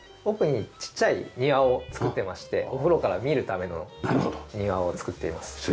奥にちっちゃい庭を造ってましてお風呂から見るための庭を造っています。